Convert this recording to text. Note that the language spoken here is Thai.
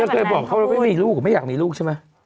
เคยบอกเขาเราไม่มีลูกไม่อยากมีลูกใช่ไหม